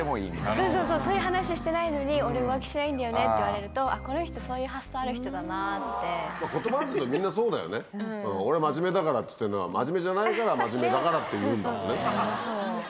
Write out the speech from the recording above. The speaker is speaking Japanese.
そうそうそう、そういう話してないのに、俺は浮気しないんだよねっていわれると、あっ、この人、男ってみんなそうだよね、俺、真面目だからって言ってるのは、真面目じゃないから、真面目だからって言うんだろうね。